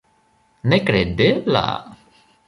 Nekredebla!